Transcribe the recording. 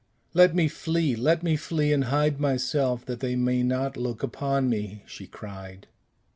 "Let me flee, let me flee and hide myself, that they may not look upon me!" she cried.